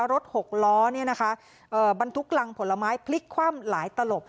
รถหกล้อนี่นะคะเอ่อบรรทุกรังผลไม้พลิกคว่ามหลายตลบ